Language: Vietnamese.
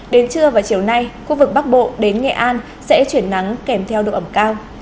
đến trưa và chiều nay khu vực bắc bộ đến nghệ an sẽ chuyển nắng kèm theo độ ẩm cao